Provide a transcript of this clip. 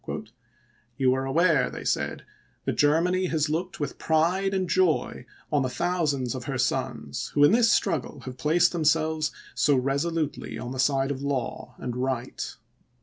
" You are aware," they said, " that Germany has looked with pride and joy on the thousands of her sons who in this struggle have placed themselves so resolutely on the side of law and right.